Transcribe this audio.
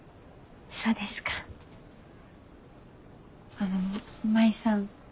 あの舞さん。